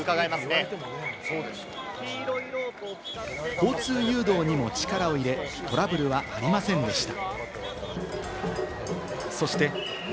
交通誘導にも力を入れ、トラブルはありませんでした。